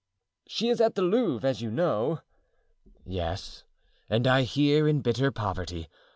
"She is at the Louvre, as you know." "Yes, and I hear in bitter poverty.